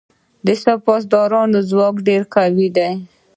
د سپاه پاسداران ځواک ډیر قوي دی.